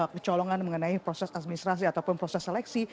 kecolongan mengenai proses administrasi ataupun proses seleksi